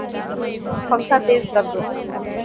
پنکھا تیز کردو